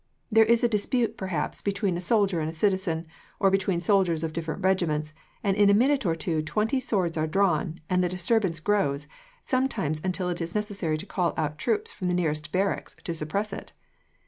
There is a dispute, perhaps, between a soldier and a citizen, or between soldiers of different regiments, and in a minute or two twenty swords are drawn, and the disturbance grows, sometimes, until it is necessary to call out troops from the nearest barracks to suppress it.